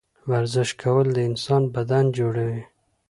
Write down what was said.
ورزش کول د انسان بدن جوړوي